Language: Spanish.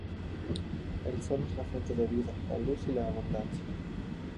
El sol es la fuente de la vida, la luz y la abundancia.